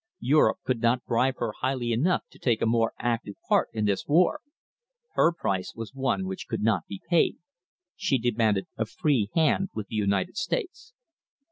Europe could not bribe her highly enough to take a more active part in this war. Her price was one which could not be paid. She demanded a free hand with the United States."